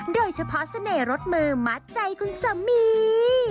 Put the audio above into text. โดยเฉพาะเสน่ห์รสมือมัดใจคุณสามี